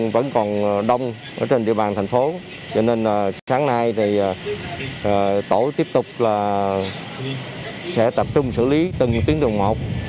vẫn còn đông trên địa bàn thành phố cho nên sáng nay tổ tiếp tục tập trung xử lý từng tuần một